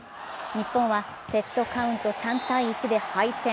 日本はセットカウント３−１で敗戦。